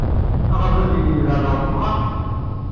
Aɣerbaz-nnek yebɛed ɣef wexxam?